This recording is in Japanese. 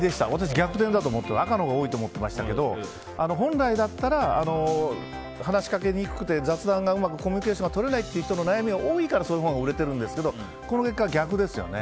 逆だと思って赤のほうが多いと思ってましたけど本来だったら、話しかけにくくて雑談がうまくコミュニケーション取れないという悩みが多いからそういう本が売れてるんですけどこの結果は逆ですよね。